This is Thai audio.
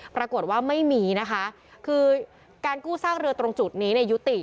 ปรากฏว่าไม่มีนะคะคือการกู้ซากเรือตรงจุดนี้เนี่ยยุติ